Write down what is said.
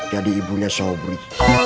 jadi ibunya sobri